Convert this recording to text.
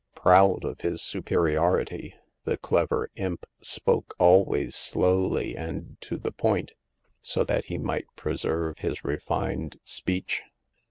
Proud of this superi ority, the clever imp spoke always slowly and to the point, so that he might preserve his refined speech.